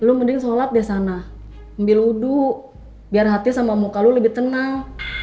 lu mending sholat di sana ambil uduk biar hati sama muka lu lebih tenang